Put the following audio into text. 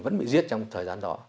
vẫn bị giết trong thời gian đó